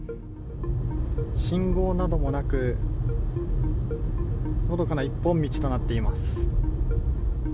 信号などもなくのどかな一本道となっています。